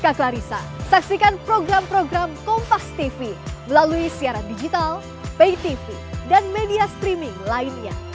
saya rizka klarissa saksikan program program kompastv melalui siaran digital pay tv dan media streaming lainnya